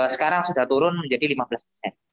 sekarang sudah turun menjadi lima belas persen